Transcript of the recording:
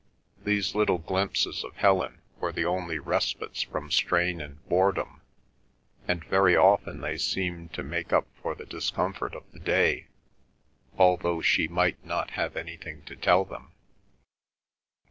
These little glimpses of Helen were the only respites from strain and boredom, and very often they seemed to make up for the discomfort of the day, although she might not have anything to tell them.